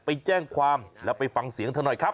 ไปแจ้งความแล้วไปฟังเสียงเธอหน่อยครับ